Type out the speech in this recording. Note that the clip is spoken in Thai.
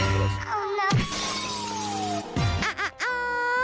โอ้โน้วโอ้โน้ว